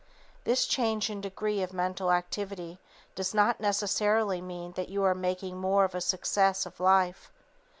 _This change in degree of mental activity does not necessarily mean that you are making more of a success of life.